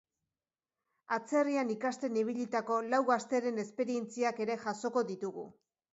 Atzerrian ikasten ibilitako lau gazteren esperientziak ere jasoko ditugu.